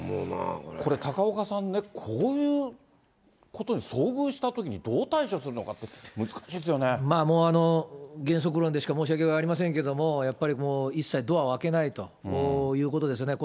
これ高岡さんね、こういうことに遭遇したときに、どう対処するのかって、まあ、原則論でしか申しようがありませんけど、やっぱりもう一切ドアを開けないということですよね。